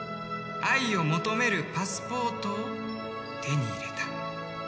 愛を求めるパスポートを手に入れた。